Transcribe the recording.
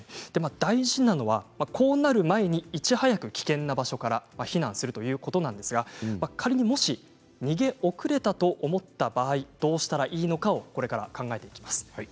大事なのはこうなる前にいち早く危険な場所から避難するということなんですが仮にもし逃げ遅れたと思った場合どうしたらいいのかをこれから考えていきます。